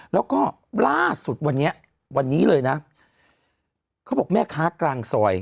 แล้วก็ล่าสุดวันนี้วันนี้เลยนะเขาบอกแม่ค้ากลางซอย